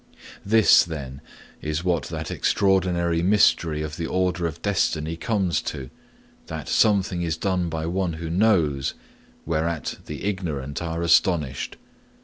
'This, then, is what that extraordinary mystery of the order of destiny comes to that something is done by one who knows, whereat the ignorant are astonished.